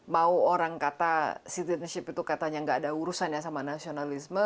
mau orang kata citizenship itu katanya nggak ada urusan ya sama nasionalisme